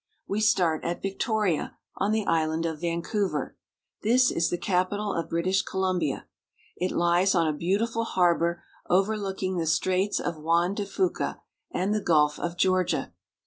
We start at Victoria, on the island of Vancouver. This is the capital of British Columbia. It Hes on a beautiful harbor overlooking the Straits of Juan de Fuca and the Gulf of Georgia.